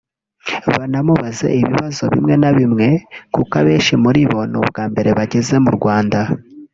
banamubaze ibibazo bimwe na bimwe kuko abenshi muri bo ni ubwa mbere bageze mu Rwanda